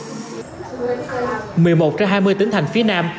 một mươi một hai mươi tỉnh thành phía nam